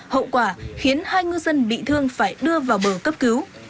hậu quả khiến hai ngư dân bị thương phải đưa vào bờ cấp cứu